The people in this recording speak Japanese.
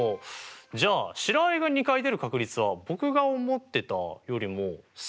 じゃあ白あえが２回出る確率は僕が思ってたよりも３倍も高かったんですね。